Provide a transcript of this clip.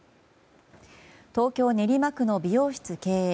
東京・練馬区の美容室経営